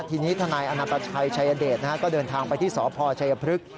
ทีนี้ท่านายอาณาปัชัยชายเดชนะฮะก็เดินทางไปที่สพชายพฤกษ์